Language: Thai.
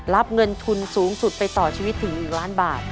รับเงินทุนสูงสุดไปต่อชีวิตถึง๑ล้านบาท